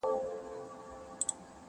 انعامونه درکومه په سل ګوني،